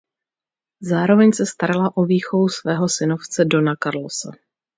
Zároveň se starala o výchovu svého synovce dona Carlose.